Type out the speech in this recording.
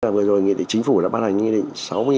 vừa rồi nghị định chính phủ đã ban hành nghị định sáu mươi